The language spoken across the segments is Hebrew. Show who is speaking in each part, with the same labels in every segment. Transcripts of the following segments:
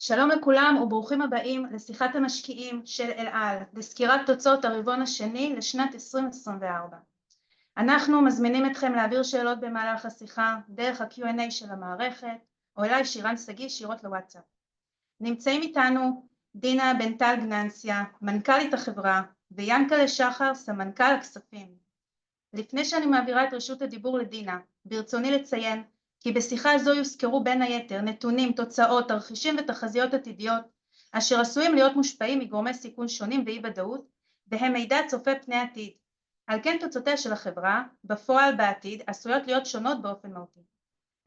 Speaker 1: שלום לכולם וברוכים הבאים לשיחת המשקיעים של אל על, לסקירת תוצאות הרבעון השני לשנת 2024. אנחנו מזמינים אתכם להעביר שאלות במהלך השיחה דרך הקיו-אנד-איי של המערכת, או אליי, שירן שגיא, ישירות לוואטסאפ. נמצאים איתנו דינה בן-טל גננציה, מנכ"לית החברה, וינקלה שחר, סמנכ"ל הכספים. לפני שאני מעבירה את רשות הדיבור לדינה, ברצוני לציין כי בשיחה הזו יוסקרו בין היתר נתונים, תוצאות, הרחישים ותחזיות עתידיות, אשר עשויים להיות מושפעים מגורמי סיכון שונים ואי ודאות, והם מידע צופה פני עתיד. על כן, תוצאותיה של החברה בפועל בעתיד עשויות להיות שונות באופן מהותי.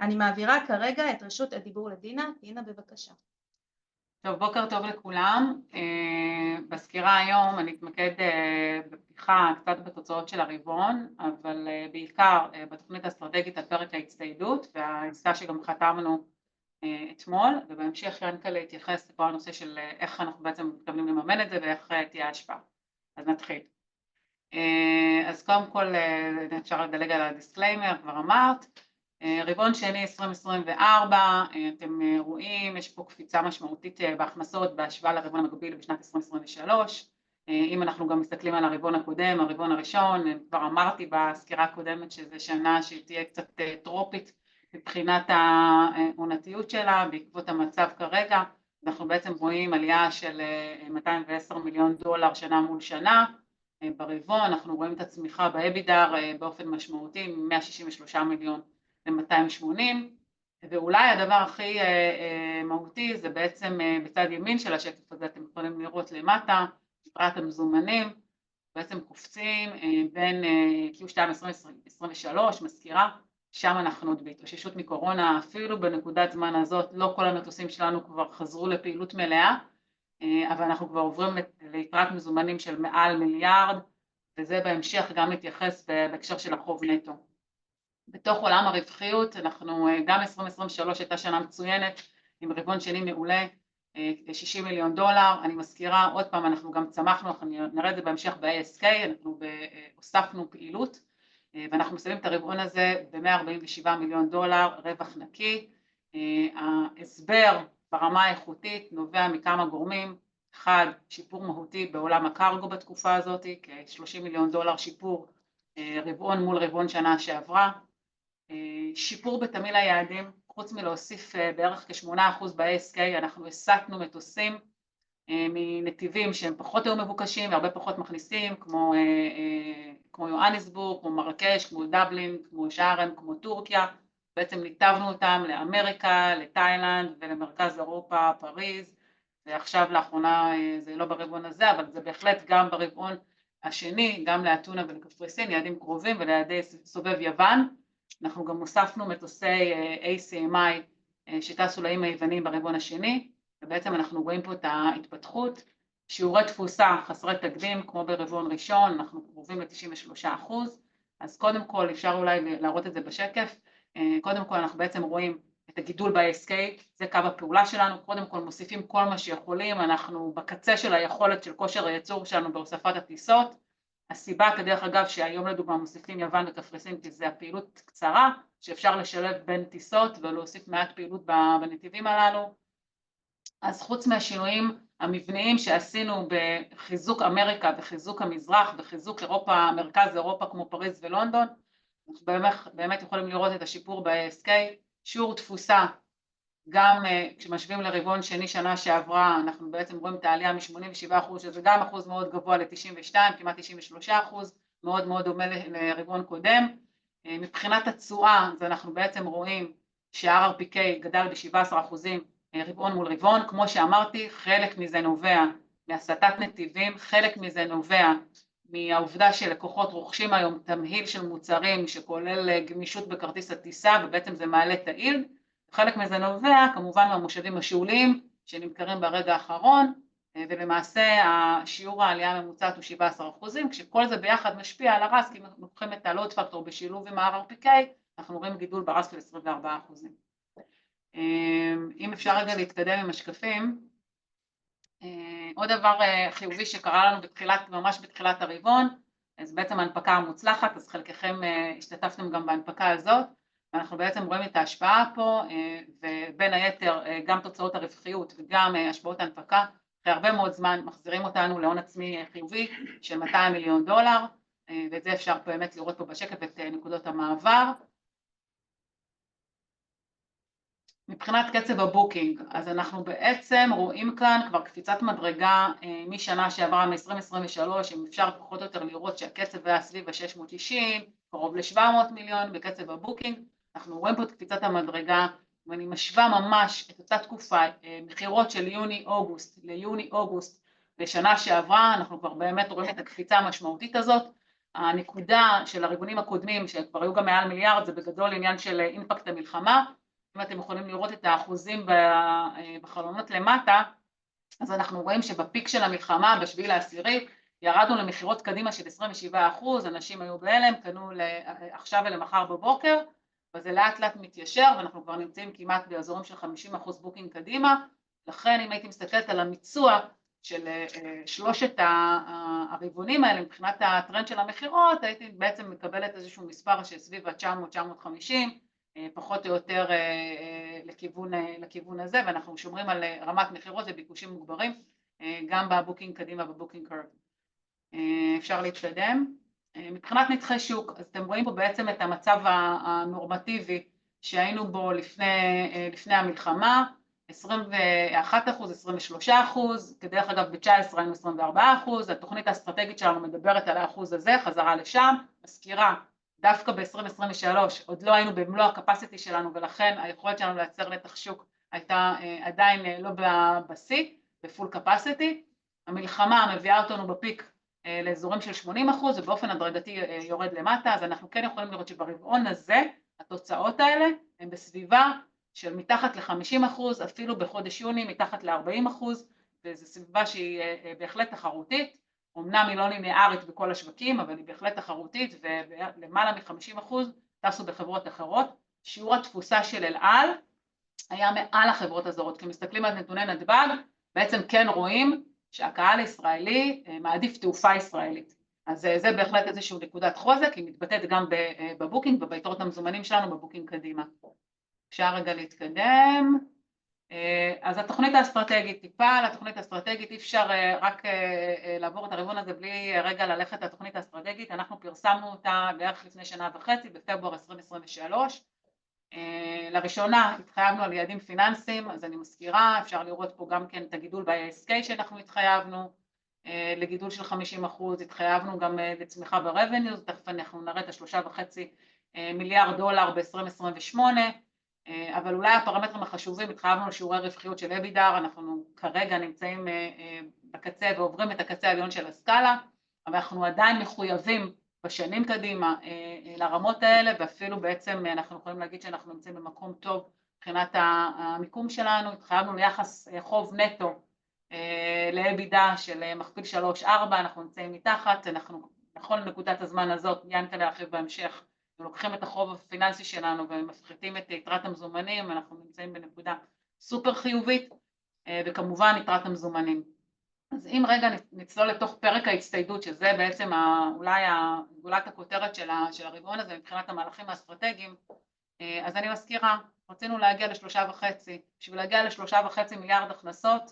Speaker 1: אני מעבירה כרגע את רשות הדיבור לדינה. דינה, בבקשה.
Speaker 2: טוב, בוקר טוב לכולם. בסקירה היום אני אתמקד בפירוט קצת בתוצאות של הרבעון, אבל בעיקר בתכנית האסטרטגית על פרק ההצטיידות והעסקה שגם חתמנו אתמול, ובהמשך ינקלה יתייחס לכל הנושא של איך אנחנו בעצם מתכוונים לממן את זה ואיך תהיה ההשפעה. אז נתחיל. קודם כל, אפשר לדלג על הדיסקליימר, כבר אמרת. רבעון שני 2024. אתם רואים? יש פה קפיצה משמעותית בהכנסות בהשוואה לרבעון המקביל בשנת 2023. אם אנחנו גם מסתכלים על הרבעון הקודם, הרבעון הראשון, אני כבר אמרתי בסקירה הקודמת שזה שנה שהיא תהיה קצת טרופית מבחינת העונתיות שלה, בעקבות המצב כרגע. אנחנו בעצם רואים עלייה של $210 מיליון שנה מול שנה. ברבעון אנחנו רואים את הצמיחה באבידה באופן משמעותי, מ-$163 מיליון ל-$280, ואולי הדבר הכי מהותי זה בעצם בצד ימין של השקף הזה. אתם יכולים לראות למטה, יתרת המזומנים בעצם קופצת בין 2020 ל-2023. אני מזכירה, שם אנחנו עוד בהתאוששות מקורונה. אפילו בנקודת זמן הזאת לא כל המטוסים שלנו כבר חזרו לפעילות מלאה, אבל אנחנו כבר עוברים ליתרת מזומנים של מעל מיליארד, וזה בהמשך גם מתייחס בהקשר של החוב נטו. בתוך עולם הרווחיות אנחנו - גם 2023 הייתה שנה מצוינת, עם רבעון שני מעולה, $60 מיליון. אני מזכירה עוד פעם, אנחנו גם צמחנו. אנחנו נראה את זה בהמשך ב-ASK. אנחנו הוספנו פעילות, ואנחנו מסיימים את הרבעון הזה ב-$147 מיליון רווח נקי. ההסבר ברמה האיכותית נובע מכמה גורמים: אחד, שיפור מהותי בעולם הקרגו בתקופה הזאת, כ-$30 מיליון שיפור, רבעון מול רבעון שנה שעברה. שיפור בתמהיל היעדים. חוץ מלהוסיף בערך כשמונה אחוז ב-ASK, אנחנו הסטנו מטוסים מנתיבים שהם פחות היו מבוקשים והרבה פחות מכניסים, כמו יוהנסבורג, כמו מרקש, כמו דבלין, כמו שארם, כמו טורקיה. בעצם ניתבנו אותם לאמריקה, לתאילנד ולמרכז אירופה, פריז, ועכשיו לאחרונה, זה לא ברבעון הזה, אבל זה בהחלט גם ברבעון השני, גם לאתונה וקפריסין, יעדים קרובים וליעדי סובב יוון. אנחנו גם הוספנו מטוסי ACMI שטסו לאיים היווניים ברבעון השני, ובעצם אנחנו רואים פה את ההתפתחות. שיעורי תפוסה חסרי תקדים, כמו ברבעון ראשון. אנחנו קרובים ל-93%. קודם כל אפשר אולי להראות את זה בשקף. קודם כל, אנחנו בעצם רואים את הגידול ב-ASK. זה קו הפעולה שלנו. קודם כל מוסיפים כל מה שיכולים. אנחנו בקצה של היכולת של כושר הייצור שלנו בהוספת הטיסות. הסיבה, כדרך אגב, שהיום לדוגמה, מוסיפים יוון וקפריסין, כי זה הפעילות קצרה, שאפשר לשלב בין טיסות ולהוסיף מעט פעילות בנתיבים הללו. אז חוץ מהשינויים המבניים שעשינו בחיזוק אמריקה וחיזוק המזרח וחיזוק אירופה, מרכז אירופה, כמו פריז ולונדון, אנחנו באמת יכולים לראות את השיפור ב-ASK. שיעור תפוסה, גם כשמשווים לרבעון שני שנה שעברה, אנחנו בעצם רואים את העלייה מ-87%, שזה גם אחוז מאוד גבוה, ל-92%, כמעט 93%. מאוד דומה לרבעון קודם. מבחינת התשואה, אנחנו בעצם רואים ש-RRPK גדל ב-17% רבעון מול רבעון. כמו שאמרתי, חלק מזה נובע מהסטת נתיבים. חלק מזה נובע מהעובדה שלקוחות רוכשים היום תמהיל של מוצרים שכולל גמישות בכרטיס הטיסה, ובעצם זה מעלה את היעיל, וחלק מזה נובע כמובן מהמושבים השעולים שנמכרים ברגע האחרון, ולמעשה שיעור העלייה הממוצעת הוא 17%, כשכל זה ביחד משפיע על הרס, כי אם לוקחים את ה-load factor בשילוב עם ה-RRPK, אנחנו רואים גידול ברס של 24%. אם אפשר רגע להתקדם עם השקפים. אה, עוד דבר חיובי שקרה לנו בתחילת, ממש בתחילת הרבעון, זה בעצם ההנפקה המוצלחת. אז חלקכם השתתפתם גם בהנפקה הזאת, ואנחנו בעצם רואים את ההשפעה פה, ובין היתר גם תוצאות הרווחיות וגם השפעות ההנפקה, אחרי הרבה מאוד זמן מחזירים אותנו להון עצמי חיובי של $200 מיליון, ואת זה אפשר באמת לראות פה בשקף את נקודות המעבר. מבחינת קצב הבוקינג, אנחנו בעצם רואים כאן כבר קפיצת מדרגה משנה שעברה, מ-2023, אם אפשר פחות או יותר לראות שהקצב היה סביב ה-$690, קרוב ל-$700 מיליון בקצב הבוקינג. אנחנו רואים פה את קפיצת המדרגה, ואני משווה ממש את אותה תקופה, מכירות של יוני-אוגוסט ליוני-אוגוסט בשנה שעברה. אנחנו כבר באמת רואים את הקפיצה המשמעותית הזאת. הנקודה של הרבעונים הקודמים, שכבר היו גם מעל מיליארד, זה בגדול עניין של אימפקט המלחמה. אם אתם יכולים לראות את האחוזים בחלונות למטה, אז אנחנו רואים שבפיק של המלחמה, בשביעי לעשירי, ירדנו למכירות קדימה של 27%. אנשים היו בהלם, קנו לעכשיו ולמחר בבוקר, וזה לאט לאט מתיישר ואנחנו כבר נמצאים כמעט באזורים של 50% בוקינג קדימה. לכן אם הייתי מסתכלת על המיצוי של שלושת הרבעונים האלה מבחינת הטרנד של המכירות, הייתי בעצם מקבלת איזשהו מספר של סביב התשע מאות, תשע מאות חמישים, פחות או יותר, לכיוון הזה, ואנחנו שומרים על רמת מכירות וביקושים מוגברים. גם בבוקינג קדימה ב-booking curve. אפשר להתקדם. מבחינת נתחי שוק, אז אתם רואים פה בעצם את המצב הנורמטיבי שהיינו בו לפני המלחמה. 21%, 23%, כדרך אגב, בתשע עשרה היינו 24%. התוכנית האסטרטגית שלנו מדברת על האחוז הזה, חזרה לשם. מזכירה, דווקא בעשרים, עשרים ושלוש עוד לא היינו במלוא הקפסיטי שלנו, ולכן היכולת שלנו לייצר נתח שוק הייתה עדיין לא בשיא. בפול קפסיטי. המלחמה מביאה אותנו בפיק לאזורים של 80% ובאופן הדרגתי יורד למטה. אז אנחנו כן יכולים לראות שברבעון הזה התוצאות האלה הם בסביבה של מתחת ל-50%, אפילו בחודש יוני, מתחת ל-40%, וזו סביבה שהיא בהחלט תחרותית. אמנם היא לא ליניארית בכל השווקים, אבל היא בהחלט תחרותית ולמעלה מ-50% טסו בחברות אחרות. שיעור התפוסה של אל על היה מעל החברות הזרות. כשמסתכלים על נתוני נתב"ג, בעצם כן רואים שהקהל הישראלי מעדיף תעופה ישראלית. אז זה בהחלט איזושהי נקודת חוזק כי מתבטאת גם בבוקינג וביתרות המזומנים שלנו בבוקינג קדימה. אפשר רגע להתקדם. התוכנית האסטרטגית, טיפה על התוכנית האסטרטגית. אי אפשר רק לעבור את הרבעון הזה בלי רגע ללכת לתוכנית האסטרטגית. אנחנו פרסמנו אותה בערך לפני שנה וחצי, בפברואר 2023. אה, לראשונה התחייבנו על יעדים פיננסיים. אז אני מזכירה, אפשר לראות פה גם כן את הגדילה ב-ASK שאנחנו התחייבנו לגדילה של 50%. התחייבנו גם לצמיחה ב-Revenue. תכף אנחנו נראה את השלושה וחצי מיליארד דולר ב-2028, אבל אולי הפרמטרים החשובים. התחייבנו לשיעורי רווחיות של EBITDA. אנחנו כרגע נמצאים בקצה ועוברים את הקצה העליון של הסקאלה, אבל אנחנו עדיין מחויבים בשנים קדימה לרמות האלה, ואפילו בעצם אנחנו יכולים להגיד שאנחנו נמצאים במקום טוב מבחינת המיקום שלנו. התחייבנו ליחס חוב נטו ל-EBITDA של מכפיל שלוש ארבע. אנחנו נמצאים מתחת. אנחנו נכון לנקודת הזמן הזאת. ינקה להרחיב בהמשך. אנחנו לוקחים את החוב הפיננסי שלנו ומפחיתים את יתרת המזומנים. אנחנו נמצאים בנקודה סופר חיובית וכמובן יתרת המזומנים. אז אם רגע נצלול לתוך פרק ההצטיידות, שזה בעצם הגולת הכותרת של הרבעון הזה מבחינת המהלכים האסטרטגיים. אז אני מזכירה, רצינו להגיע לשלושה וחצי. בשביל להגיע לשלושה וחצי מיליארד הכנסות,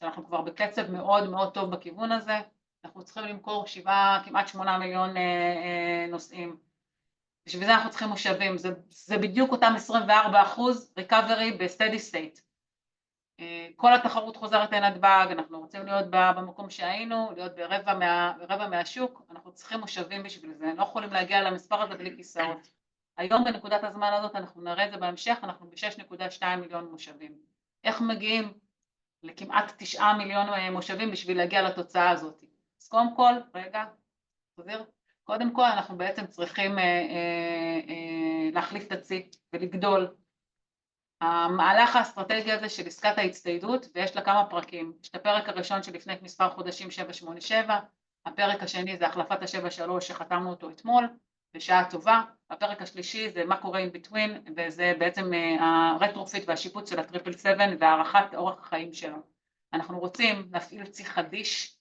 Speaker 2: שאנחנו כבר בקצב מאוד טוב בכיוון הזה, אנחנו צריכים למכור שבעה, כמעט שמונה מיליון נוסעים. בשביל זה אנחנו צריכים מושבים. זה בדיוק אותם 24% recovery ב-steady state. כל התחרות חוזרת לאינטבג. אנחנו רוצים להיות במקום שהיינו, להיות ברבע מהשוק. אנחנו צריכים מושבים בשביל זה. אנחנו לא יכולים להגיע למספר הזה בלי כיסאות. היום, בנקודת הזמן הזאת, אנחנו נראה את זה בהמשך. אנחנו בשש נקודה שתיים מיליון מושבים. איך מגיעים לכמעט תשעה מיליון מושבים בשביל להגיע לתוצאה הזאת? קודם כל, אנחנו בעצם צריכים להחליף את הצי ולגדול. המהלך האסטרטגי הזה של עסקת ההצטיידות ויש לה כמה פרקים. יש את הפרק הראשון שלפני מספר חודשים שבע שמונה שבע. הפרק השני זה החלפת השבע שלוש שחתמנו אותו אתמול בשעה טובה. הפרק השלישי זה מה קורה in between וזה בעצם ה-retrofit והשיפוץ של הטריפל סבן והארכת אורך החיים שלו. אנחנו רוצים להפעיל צי חדיש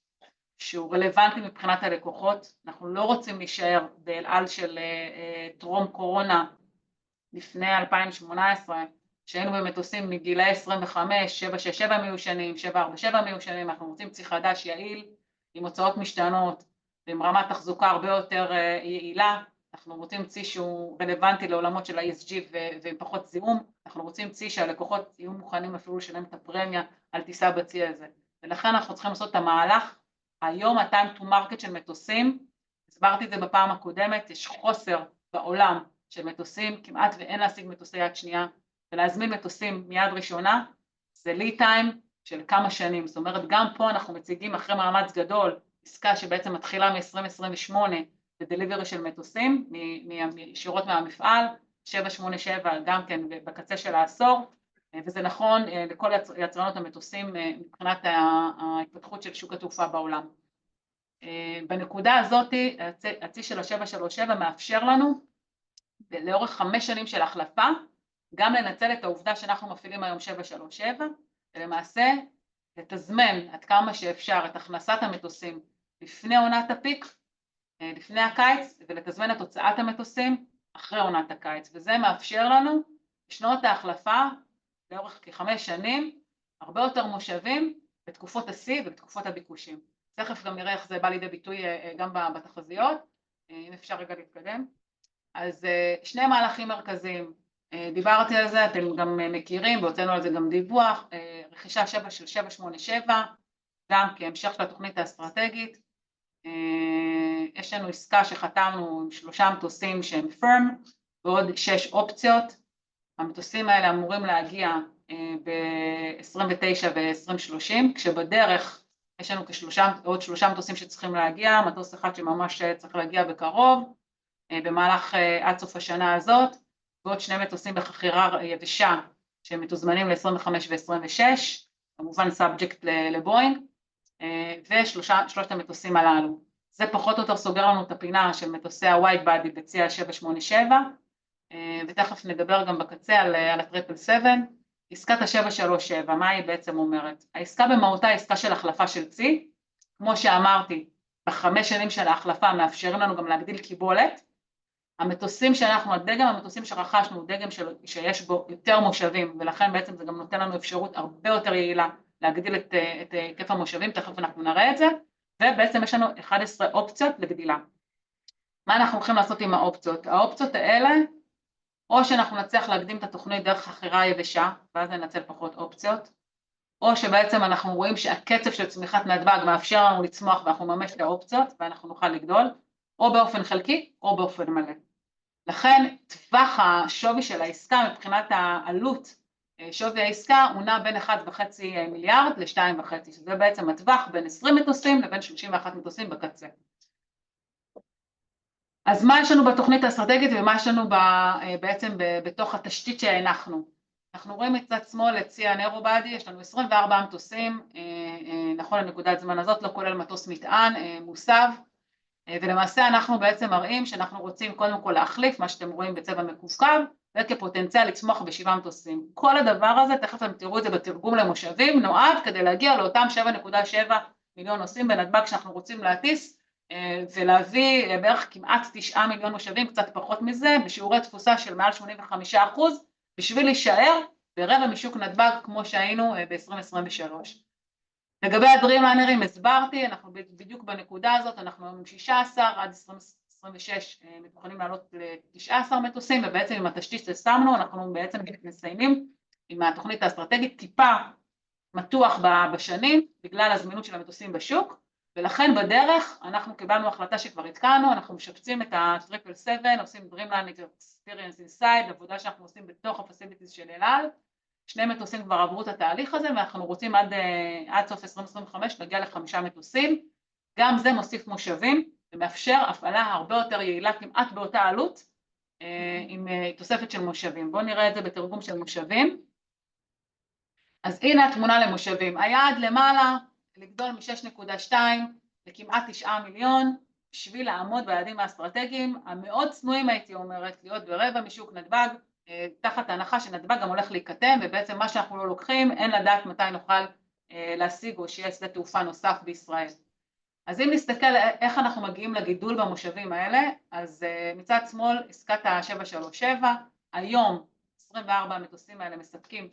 Speaker 2: שהוא רלוונטי מבחינת הלקוחות. אנחנו לא רוצים להישאר באל על של טרום קורונה לפני 2018, שהיינו באמת עושים מגילאי 25, 767 שנים, 747 שנים. אנחנו רוצים צי חדש, יעיל, עם הוצאות משתנות, עם רמת תחזוקה הרבה יותר יעילה. אנחנו רוצים צי שהוא רלוונטי לעולמות של ה-ESG ועם פחות זיהום. אנחנו רוצים צי שהלקוחות יהיו מוכנים אפילו לשלם את הפרמיה על טיסה בצי הזה, ולכן אנחנו צריכים לעשות את המהלך. היום, ה-time to market של מטוסים. הסברתי את זה בפעם הקודמת. יש חוסר בעולם של מטוסים. כמעט ואין להשיג מטוסי יד שנייה ולהזמין מטוסים מיד ראשונה זה lead time של כמה שנים. זאת אומרת, גם פה אנחנו מציגים אחרי מאמץ גדול, עסקה שבעצם מתחילה מ-2028 ו-delivery של מטוסים ישירות מהמפעל. 787 גם כן, בקצה של העשור, וזה נכון לכל יצרניות המטוסים מבחינת ההתפתחות של שוק התעופה בעולם. בנקודה הזאת, הצי של ה-737 מאפשר לנו לאורך חמש שנים של החלפה, גם לנצל את העובדה שאנחנו מפעילים היום 737, ולמעשה לתזמן עד כמה שאפשר את הכנסת המטוסים לפני עונת הפיק, לפני הקיץ, ולתזמן את הוצאת המטוסים אחרי עונת הקיץ, וזה מאפשר לנו בשנות ההחלפה, לאורך כחמש שנים, הרבה יותר מושבים בתקופות השיא ובתקופות הביקושים. תכף גם נראה איך זה בא לידי ביטוי גם בתחזיות. אם אפשר רגע להתקדם. אז שני מהלכים מרכזיים. דיברתי על זה. אתם גם מכירים והוצאנו על זה גם דיווח. רכישת 737-787 גם כהמשך לתוכנית האסטרטגית. אה, יש לנו עסקה שחתמנו עם שלושה מטוסים שהם firm ועוד שש אופציות. המטוסים האלה אמורים להגיע ב-2029 ו-2030, כשבדרך יש לנו כשלושה, עוד שלושה מטוסים שצריכים להגיע. מטוס אחד שממש צריך להגיע בקרוב, במהלך עד סוף השנה הזאת, ועוד שני מטוסים בחכירה יבשה שהם מתוזמנים ל-2025 ו-2026. כמובן subject לבואינג ושלושה, שלושת המטוסים הללו. זה פחות או יותר סוגר לנו את הפינה של מטוסי ה-Wide Body בצי השבע שמונה שבע, ותכף נדבר גם בקצה על הטריפל סבן. עסקת השבע שלוש שבע, מה היא בעצם אומרת? העסקה במהותה היא עסקה של החלפה של צי. כמו שאמרתי, בחמש שנים של ההחלפה מאפשרים לנו גם להגדיל קיבולת. המטוסים שאנחנו - הדגם, המטוסים שרכשנו הוא דגם שיש בו יותר מושבים, ולכן בעצם זה גם נותן לנו אפשרות הרבה יותר יעילה להגדיל את היקף המושבים. תכף אנחנו נראה את זה, ובעצם יש לנו אחד עשר אופציות לגדילה. מה אנחנו הולכים לעשות עם האופציות? האופציות האלה, או שאנחנו נצליח להקדים את התוכנית דרך קנייה יבשה, ואז ננצל פחות אופציות, או שבעצם אנחנו רואים שהקצב של צמיחת נתב"ג מאפשר לנו לצמוח ואנחנו נממש את האופציות ואנחנו נוכל לגדול או באופן חלקי או באופן מלא. לכן טווח השווי של העסקה מבחינת העלות, שווי העסקה הוא נע בין ₪1.5 מיליארד ל-₪2.5 מיליארד. זה בעצם הטווח, בין עשרים מטוסים לבין שלושים ואחד מטוסים בקצה. מה יש לנו בתוכנית האסטרטגית ומה יש לנו בעצם בתוך התשתית שהנחנו? אנחנו רואים מצד שמאל את צי ה-Narrow Body. יש לנו עשרים וארבעה מטוסים נכון לנקודת זמן הזאת, לא כולל מטוס מטען מוסב, ולמעשה אנחנו בעצם מראים שאנחנו רוצים קודם כל להחליף מה שאתם רואים בצבע מקווקו, וכפוטנציאל לצמוח בשבעה מטוסים. כל הדבר הזה, תכף אתם תראו את זה בתרגום למושבים, נועד כדי להגיע לאותם 7.7 מיליון נוסעים בנתב"ג שאנחנו רוצים להטיס, ולהביא בערך כמעט תשעה מיליון מושבים, קצת פחות מזה, בשיעורי תפוסה של מעל 85%, בשביל להישאר ברבע משוק נתב"ג, כמו שהיינו ב-2023. לגבי הדרימליינרים הסברתי. אנחנו בדיוק בנקודה הזאת. אנחנו עם שישה עשר עד עשרים, עשרים ושישה מתוכננים לעלות לתשעה עשר מטוסים, ובעצם עם התשתית ששמנו אנחנו בעצם מסיימים עם התוכנית האסטרטגית, טיפה מתוח בשנים בגלל הזמינות של המטוסים בשוק, ולכן בדרך אנחנו קיבלנו החלטה שכבר עדכנו. אנחנו משפצים את הטריפל סבן, עושים Dreamliner experience inside עבודה שאנחנו עושים בתוך ה-facilities של אל על. שני מטוסים כבר עברו את התהליך הזה ואנחנו רוצים עד סוף 2025 להגיע לחמישה מטוסים. גם זה מוסיף מושבים ומאפשר הפעלה הרבה יותר יעילה, כמעט באותה עלות עם תוספת של מושבים. בואו נראה את זה בתרגום של מושבים. אז הנה התמונה למושבים. היעד למעלה לגדול מ-6.2 לכמעט 9 מיליון. בשביל לעמוד ביעדים האסטרטגיים המאוד צנועים, הייתי אומרת, להיות ברבע משוק נתב"ג, תחת ההנחה שנתב"ג גם הולך להיקטם, ובעצם מה שאנחנו לא לוקחים, אין לדעת מתי נוכל להשיג או שיהיה שדה תעופה נוסף בישראל. אז אם נסתכל איך אנחנו מגיעים לגידול במושבים האלה, אז מצד שמאל עסקת השבע שלוש שבע. היום 24 מטוסים האלה מספקים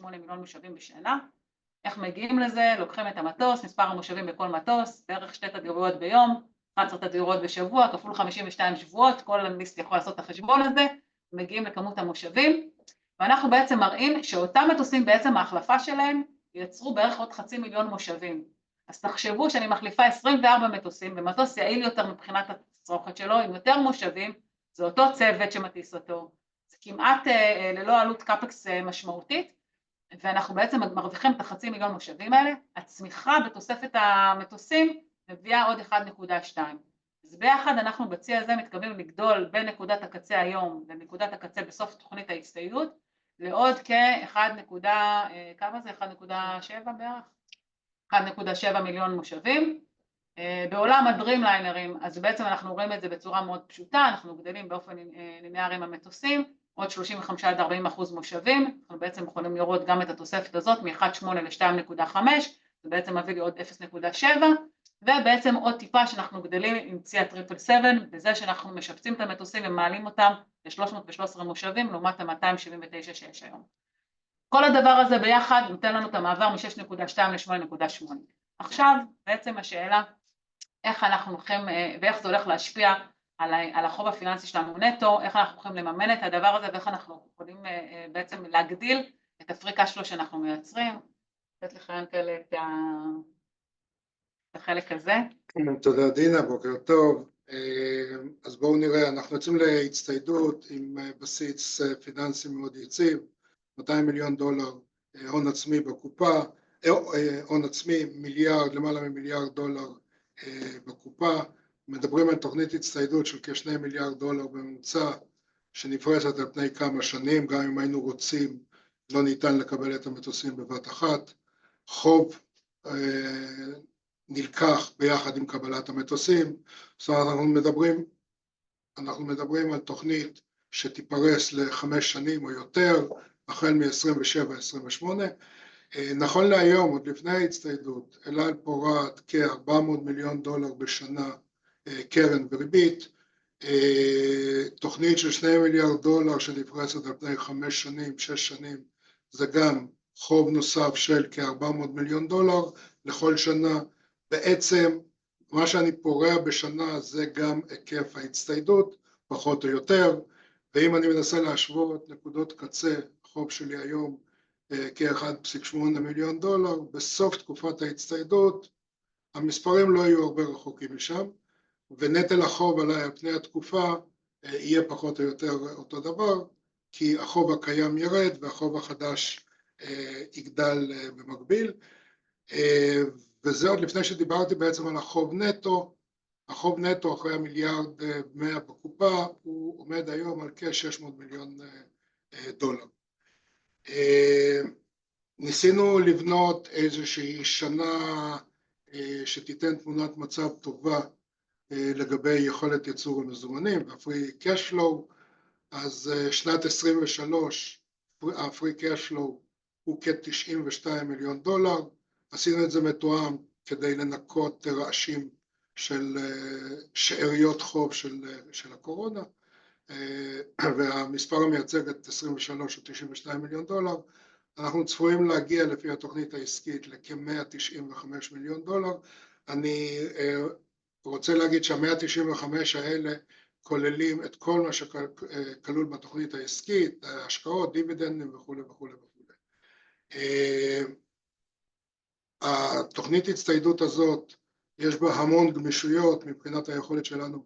Speaker 2: 3.8 מיליון מושבים בשנה. איך מגיעים לזה? לוקחים את המטוס, מספר המושבים בכל מטוס, בערך שתי טיסות ביום, 11 טיסות בשבוע כפול 52 שבועות. כל אדם יכול לעשות את החשבון הזה. מגיעים לכמות המושבים, ואנחנו בעצם מראים שאותם מטוסים, בעצם ההחלפה שלהם יצרו בערך עוד חצי מיליון מושבים. אז תחשבו שאני מחליפה 24 מטוסים במטוס יעיל יותר מבחינת הצריכה שלו עם יותר מושבים. זה אותו צוות שמטיס אותו. זה כמעט ללא עלות קאפקס משמעותית, ואנחנו בעצם מרוויחים את החצי מיליון מושבים האלה. הצמיחה בתוספת המטוסים מביאה עוד 1.2. אז ביחד אנחנו בצי הזה מתכוונים לגדול בין נקודת הקצה היום לנקודת הקצה בסוף תוכנית ההצטיידות לעוד כ-1.7 מיליון מושבים. בעולם הדרימליינרים, אנחנו רואים את זה בצורה מאוד פשוטה. אנחנו גדלים באופן ליניארי עם המטוסים, עוד 35% עד 40% מושבים. אנחנו בעצם יכולים לראות גם את התוספת הזאת מ-1.8 ל-2.5. זה בעצם מביא לעוד 0.7, ובעצם עוד טיפה שאנחנו גדלים עם צי הטריפל סבן, בזה שאנחנו משפצים את המטוסים ומעלים אותם ל-313 מושבים לעומת ה-279 שיש היום. כל הדבר הזה ביחד נותן לנו את המעבר מ-6.2 ל-8.8. עכשיו בעצם השאלה איך אנחנו הולכים ואיך זה הולך להשפיע על החוב הפיננסי שלנו נטו? איך אנחנו הולכים לממן את הדבר הזה, ואיך אנחנו יכולים בעצם להגדיל את הפריקה שלנו שאנחנו מייצרים? לתת לך, ינקה, את החלק הזה.
Speaker 3: תודה, דינה. בוקר טוב. בואו נראה. אנחנו יוצאים להצטיידות עם בסיס פיננסי מאוד יציב. $200 מיליון הון עצמי בקופה, הון עצמי מיליארד, למעלה ממיליארד דולר בקופה. מדברים על תוכנית הצטיידות של כ-$2 מיליארד בממוצע, שנפרסת על פני כמה שנים. גם אם היינו רוצים לא ניתן לקבל את המטוסים בבת אחת. חוב נלקח ביחד עם קבלת המטוסים. זאת אומרת, אנחנו מדברים על תוכנית שתיפרס לחמש שנים או יותר, החל מ-2027, 2028. נכון להיום, עוד לפני ההצטיידות, אל על פורעת כ-$400 מיליון בשנה, קרן וריבית. תוכנית של $2 מיליארד שנפרסת על פני חמש שנים, שש שנים, זה גם חוב נוסף של כ-$400 מיליון לכל שנה. בעצם, מה שאני פורע בשנה זה גם היקף ההצטיידות פחות או יותר, ואם אני מנסה להשוות נקודות קצה, החוב שלי היום כ-$1.8 מיליארד. בסוף תקופת ההצטיידות המספרים לא יהיו הרבה רחוקים משם, ונטל החוב על פני התקופה יהיה פחות או יותר אותו דבר, כי החוב הקיים יירד והחוב החדש יגדל במקביל. זה עוד לפני שדיברתי בעצם על החוב נטו. החוב נטו אחרי המיליארד מאה בקופה הוא עומד היום על כ-$600 מיליון דולר. ניסינו לבנות איזושהי שנה שתיתן תמונת מצב טובה לגבי יכולת ייצור המזומנים, הפרי קאש פלו. שנת 2023, הפרי קאש פלו, הוא כ-$92 מיליון דולר. עשינו את זה מתואם כדי לנקות רעשים של שאריות חוב של הקורונה, והמספר המייצג את 2023 הוא $92 מיליון דולר. אנחנו צפויים להגיע לפי התוכנית העסקית לכ-$195 מיליון דולר. אני רוצה להגיד שה-$195 מיליון האלה כוללים את כל מה שכלול בתוכנית העסקית, השקעות, דיבידנד וכולי וכולי וכולי. אה, התוכנית הצטיידות הזאת, יש בה המון גמישויות מבחינת היכולת שלנו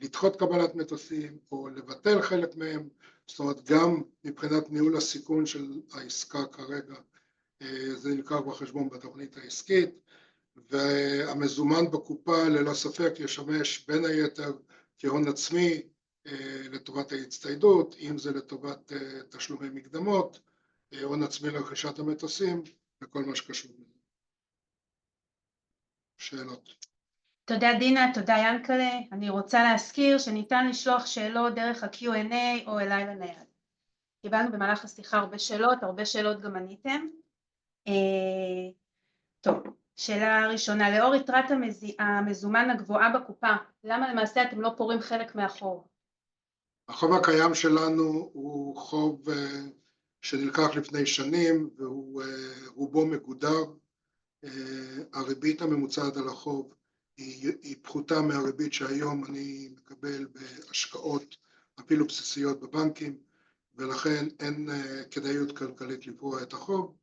Speaker 3: לדחות קבלת מטוסים או לבטל חלק מהם. זאת אומרת, גם מבחינת ניהול הסיכון של העסקה כרגע, זה נלקח בחשבון בתוכנית העסקית, והמזומן בקופה, ללא ספק, ישמש בין היתר כהון עצמי לטובת ההצטיידות. אם זה לטובת תשלומי מקדמות, הון עצמי לרכישת המטוסים וכל מה שקשור בזה. שאלות?
Speaker 1: תודה, דינה. תודה, יענקל'ה. אני רוצה להזכיר שניתן לשלוח שאלות דרך הQ&A או אליי לנייד. קיבלנו במהלך השיחה הרבה שאלות. הרבה שאלות גם עניתם. טוב, שאלה ראשונה: לאור יתרת המזומן הגבוהה בקופה, למה למעשה אתם לא פורעים חלק מהחוב?
Speaker 3: החוב הקיים שלנו הוא חוב שנלקח לפני שנים והוא רובו מגודר. הריבית הממוצעת על החוב היא פחותה מהריבית שהיום אני מקבל בהשקעות אפילו בסיסיות בבנקים, ולכן אין כדאיות כלכלית לפרוע את החוב.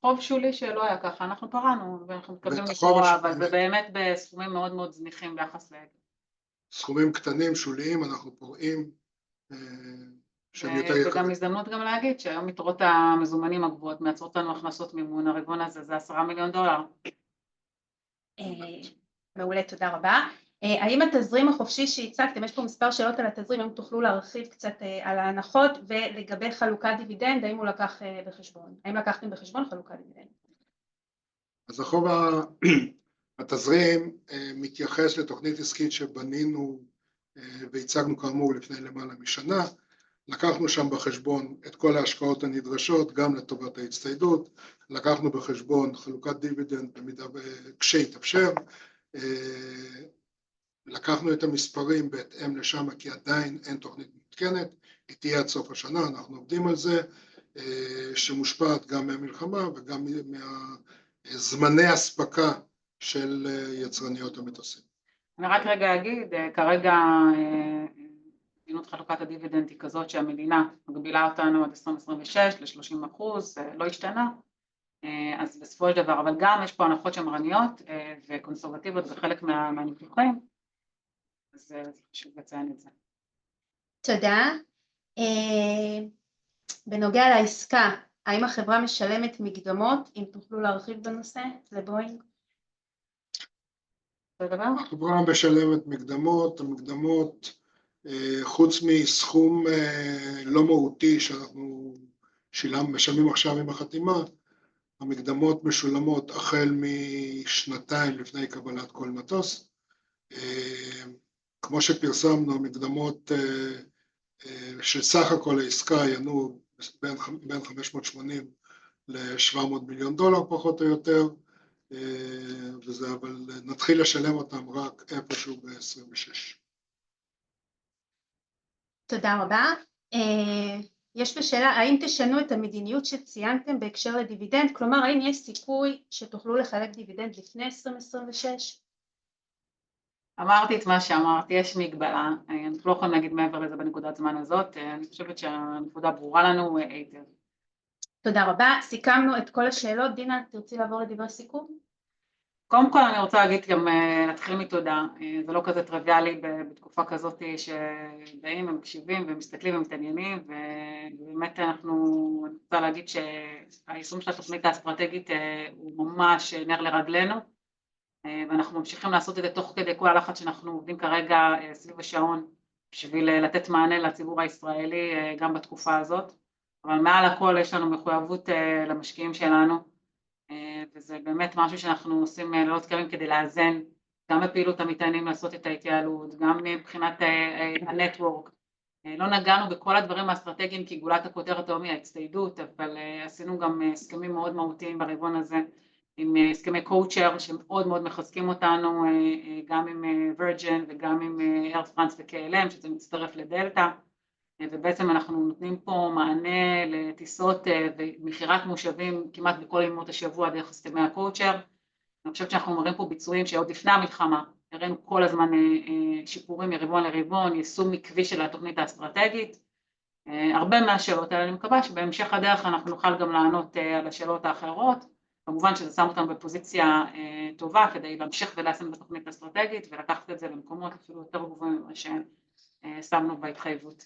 Speaker 2: חוב שולי שלא היה ככה. אנחנו פרענו ואנחנו מקווים לפרוע, אבל זה באמת בסכומים מאוד, מאוד זניחים ביחס ל--
Speaker 3: סכומים קטנים, שוליים. אנחנו פורעים, אה, שהם יותר-
Speaker 2: זו גם הזדמנות גם להגיד שהיום יתרות המזומנים הגבוהות מייצרות לנו הכנסות מיוון. הרבעון הזה זה $10 מיליון.
Speaker 1: אה, מעולה! תודה רבה. האם התזרים החופשי שהצגתם, יש פה מספר שאלות על התזרים. האם תוכלו להרחיב קצת על ההנחות? ולגבי חלוקת דיבידנד, האם הוא לקח בחשבון? האם לקחתם בחשבון חלוקת דיבידנד?
Speaker 3: אז החוב התזרים מתייחס לתוכנית עסקית שבנינו והצגנו, כאמור, לפני למעלה משנה. לקחנו שם בחשבון את כל ההשקעות הנדרשות, גם לטובת ההצטיידות. לקחנו בחשבון חלוקת דיבידנד במידה וכשיתאפשר. לקחנו את המספרים בהתאם לשם, כי עדיין אין תוכנית מעודכנת. היא תהיה עד סוף השנה. אנחנו עובדים על זה, שמושפעת גם מהמלחמה וגם מהזמני אספקה של יצרניות המטוסים.
Speaker 2: אני רק רגע אגיד, כרגע, המדיניות חלוקת הדיבידנד היא כזאת שהמדינה מגבילה אותנו עד 2026 ל-30%. לא השתנה. אז בסופו של דבר, אבל גם יש פה הנחות שמרניות וקונסרבטיביות בחלק מהניתוחים. אז רציתי לציין את זה.
Speaker 1: תודה. בנוגע לעסקה, האם החברה משלמת מקדמות? אם תוכלו להרחיב בנושא, לבואינג.
Speaker 2: אותו דבר?
Speaker 3: החברה משלמת מקדמות. המקדמות, חוץ מסכום לא מהותי שאנחנו משלמים עכשיו עם החתימה. המקדמות משולמות החל משנתיים לפני קבלת כל מטוס. כמו שפרסמנו, המקדמות, שסך הכל העסקה ינועו בין $580 ל-$700 מיליון דולר, פחות או יותר, וזה, אבל נתחיל לשלם אותם רק איפשהו ב-2026.
Speaker 1: תודה רבה. יש לי שאלה: האם תשנו את המדיניות שציינתם בהקשר לדיבידנד? כלומר, האם יש סיכוי שתוכלו לחלק דיבידנד לפני 2026?
Speaker 2: אמרתי את מה שאמרתי. יש מגבלה. אנחנו לא יכולים להגיד מעבר לזה בנקודת זמן הזאת. אני חושבת שהתמונה ברורה לנו היטב.
Speaker 1: תודה רבה, סיכמנו את כל השאלות. דינה, תרצי לעבור לדבר סיכום?
Speaker 2: קודם כל אני רוצה להגיד גם, להתחיל מתודה. זה לא כזה טריוויאלי בתקופה כזאת שבאים ומקשיבים ומסתכלים ומתעניינים. ובאמת אנחנו, אני רוצה להגיד שהיישום של התוכנית האסטרטגית הוא ממש נר לרגלינו, ואנחנו ממשיכים לעשות את זה תוך כדי כל הלחץ שאנחנו עובדים כרגע סביב השעון בשביל לתת מענה לציבור הישראלי גם בתקופה הזאת. אבל מעל לכל, יש לנו מחויבות למשקיעים שלנו, וזה באמת משהו שאנחנו עושים מאמצים גדולים כדי לאזן גם לפעילות המתמדת לעשות את ההתייעלות, גם מבחינת הנטוורק. לא נגענו בכל הדברים האסטרטגיים, כי גולת הכותרת היום היא ההצטיידות. אבל עשינו גם הסכמים מאוד מהותיים ברבעון הזה עם הסכמי קואו שייר, שמאוד, מאוד מחזקים אותנו, גם עם וירג'ין וגם עם אייר פרנס ו-KLM, שזה מצטרף לדלתא, ובעצם אנחנו נותנים פה מענה לטיסות ומכירת מושבים כמעט בכל ימות השבוע דרך הסכמי הקואו שייר. אני חושבת שאנחנו מראים פה ביצועים שעוד לפני המלחמה הראנו כל הזמן שיפורים מרבעון לרבעון, יישום מקווי של התוכנית האסטרטגית. הרבה מהשאלות האלה, אני מקווה שבהמשך הדרך אנחנו נוכל גם לענות על השאלות האחרות. כמובן שזה שם אותנו בפוזיציה טובה כדי להמשיך וליישם את התוכנית האסטרטגית ולקחת את זה למקומות